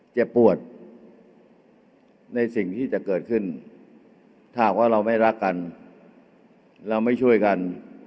เจ็บปวดในสิ่งที่จะเกิดขึ้นถ้าหากว่าเราไม่รักกันเราไม่ช่วยกัน